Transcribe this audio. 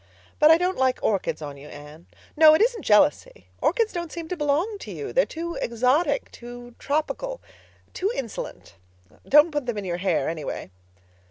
But I don't like orchids on you, Anne. No; it isn't jealousy. Orchids don't seem to belong to you. They're too exotic—too tropical—too insolent. Don't put them in your hair, anyway."